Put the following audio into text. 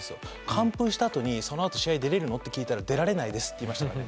完封したあとにそのあと試合出れるの？って聞いたら出られないですって言いましたからね。